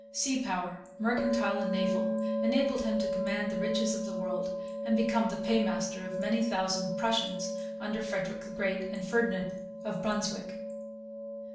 Sea power, mercantile and naval, enabled him to 'command the riches of the world' and become the paymaster of many thousand Prussians under Frederick the Great and Ferdinand of Brunswick.